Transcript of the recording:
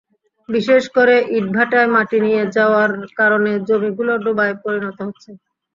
বিশেষ করে ইটভাটায় মাটি নিয়ে যাওয়ার কারণে জমিগুলো ডোবায় পরিণত হচ্ছে।